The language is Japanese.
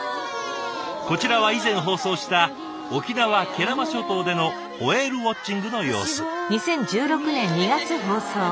こちらは以前放送した沖縄・慶良間諸島でのホエールウォッチングの様子。